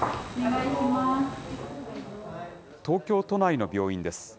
東京都内の病院です。